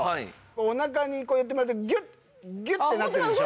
お腹にこうやってまたギュッギュッてなってるでしょ。